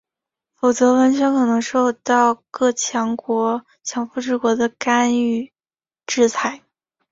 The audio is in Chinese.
否则完全可能受到各强富之国的干预制裁。